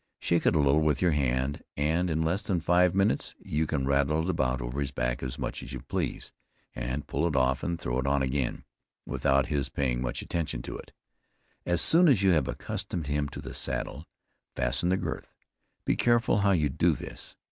Shake it a little with your hand, and in less than five minutes you can rattle it about over his back as much as you please, and pull it off and throw it on again, without his paying much attention to it. As soon as you have accustomed him to the saddle, fasten the girth. Be careful how you do this.